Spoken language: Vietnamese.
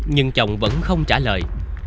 nhưng chồng vẫn không trả lời